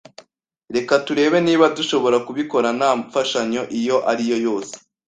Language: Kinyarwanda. Reka turebe niba dushobora kubikora nta mfashanyo iyo ari yo yose.